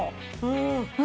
うん。